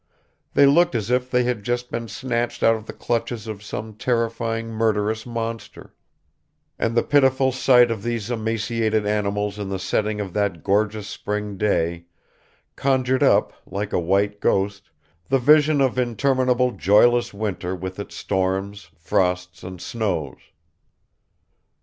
They looked as if they had just been snatched out of the clutches of some terrifying murderous monster; and the pitiful sight of these emaciated animals in the setting of that gorgeous spring day conjured up, like a white ghost, the vision of interminable joyless winter with its storms, frosts and snows